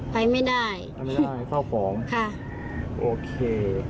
ไปไม่ได้